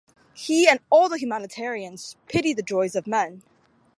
He and all the humanitarians pity the joys of men.